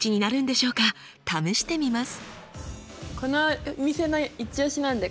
試してみます。